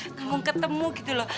ngung ngung ketemu gitu loh